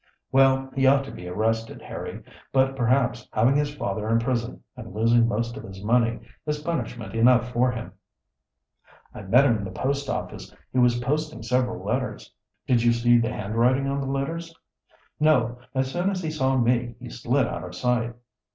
"Well, he ought to be arrested, Harry. But perhaps having his father in prison, and losing most of his money, is punishment enough for him." "I met him in the post office. He was posting several letters." "Did you see the handwriting on the letters?" "No. As soon as he saw me he slid out of sight."